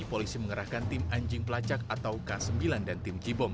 polisi mengerahkan tim anjing pelacak atau k sembilan dan tim j bom